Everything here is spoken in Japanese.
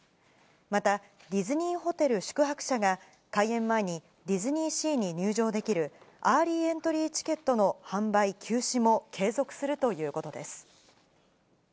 また、ディズニーホテル宿泊者が、開園前にディズニーシーに入場できる、アーリーエントリーチケットの販売休止も継続するということです。